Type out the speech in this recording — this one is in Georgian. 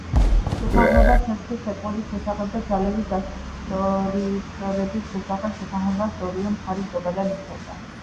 შეთანხმება ცეცხლის შეწყვეტის შესახებ და ძალების დაშორიშორების შესახებ შეთანხმებას ორივე მხარე ზოგადად იცავდა.